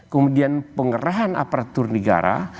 kemudian pengerahan aparatur negara